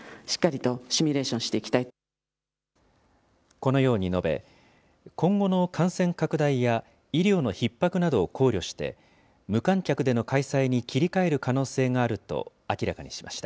このように述べ、今後の感染拡大や、医療のひっ迫などを考慮して、無観客での開催に切り替える可能性があると明らかにしました。